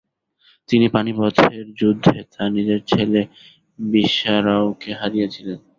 তিনি পানিপথের যুদ্ধে তার নিজের ছেলে বিশ্বারাওকে হারিয়েছিলেন।